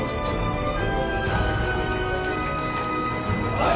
はい！